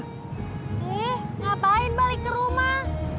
eh ngapain balik ke rumah